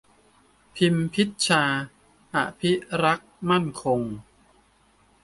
พิมพ์พิชชา อภิรักษ์มั่นคง